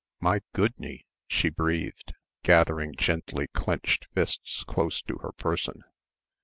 "My goodney," she breathed, gathering gently clenched fists close to her person.